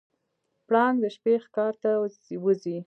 پړانګ د شپې ښکار ته وځي.